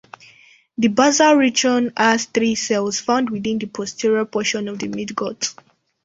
The basal region has three cells found within the posterior portion of the midgut.